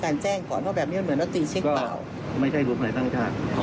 มันเป็นกระแสขาวนี่เฉยนะจะไปกระลาโหม